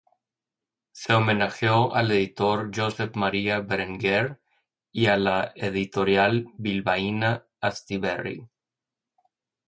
Se homenajeó al editor Josep María Berenguer y a la editorial bilbaína Astiberri.